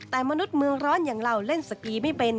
แต่มนุษย์เมืองร้อนอย่างเราเล่นสกีไม่เป็น